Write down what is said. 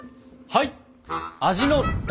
はい！